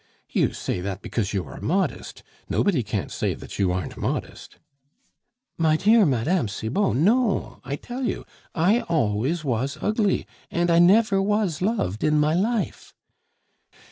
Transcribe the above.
"You say that because you are modest; nobody can't say that you aren't modest." "My dear Mme. Cibot, no, I tell you. I always was ugly, and I never was loved in my life."